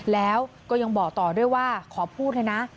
แล้วก็ยังบอกต่อด้วยว่าขอพูดเลยนะ